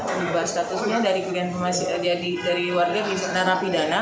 berubah statusnya dari warga bisnis narapidana